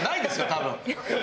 多分。